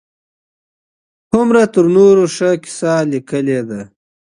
هومر تر نورو ښه کيسه ليکلې ده.